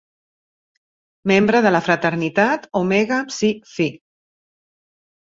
Membre de la fraternitat Omega Psi Phi.